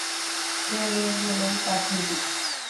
পেয়ে গেলেই পাঠিয়ে দিব।